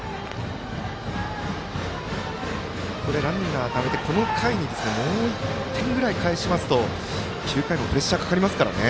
ランナーためて、この回にもう１点ぐらい返しますと９回もプレッシャーかかりますからね。